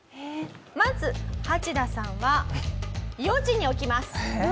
まずハチダさんは４時に起きます。